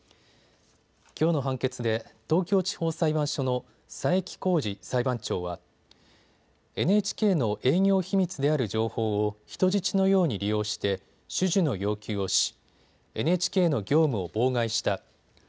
きょうの判決で東京地方裁判所の佐伯恒治裁判長はＮＨＫの営業秘密である情報を人質のように利用して種々の要求をし、ＮＨＫの業務を妨害した。